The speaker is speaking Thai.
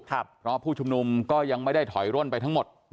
เพราะผู้ชุมนุมก็ยังไม่ได้ถอยร่นไปทั้งหมด